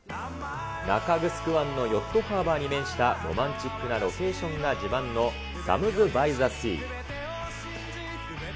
中城湾のヨットハーバーに面したロマンチックなロケーションが自慢のサムズバイザシー。